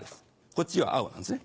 こっちは青なんですね。